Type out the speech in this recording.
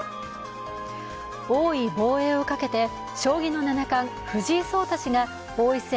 王位防衛をかけて、将棋の七冠藤井聡太氏が王位戦